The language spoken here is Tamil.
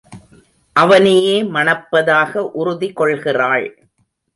அவனையே மணப்பதாக உறுதி கொள்கிறாள்.